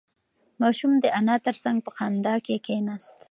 ماشوم د انا تر څنگ په خندا کې کېناست.